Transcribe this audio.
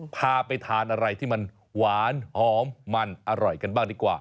พาไปทานอะไรที่มันหวานหอมมันอร่อยกันบ้างดีกว่า